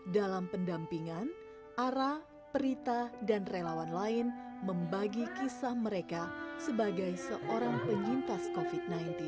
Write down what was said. dalam pendampingan ara perita dan relawan lain membagi kisah mereka sebagai seorang penyintas covid sembilan belas